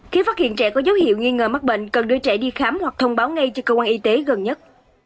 khi phát hiện trẻ có dấu hiệu nghi ngờ mắc bệnh cần đưa trẻ đi khám hoặc thông báo ngay cho cơ quan y tế gần nhất